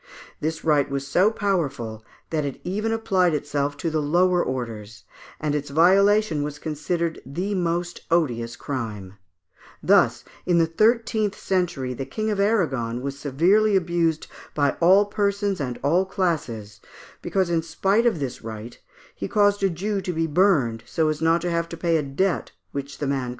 This right was so powerful, that it even applied itself to the lower orders, and its violation was considered the most odious crime; thus, in the thirteenth century, the King of Aragon was severely abused by all persons and all classes, because in spite of this right he caused a Jew to be burned so as not to have to pay a debt which the man claimed of him.